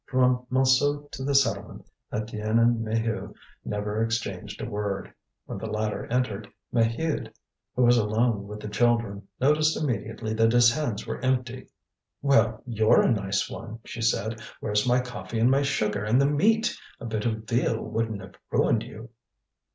From Montsou to the settlement Étienne and Maheu never exchanged a word. When the latter entered, Maheude, who was alone with the children, noticed immediately that his hands were empty. "Well, you're a nice one!" she said. "Where's my coffee and my sugar and the meat? A bit of veal wouldn't have ruined you."